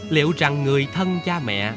liệu rằng người thân cha mẹ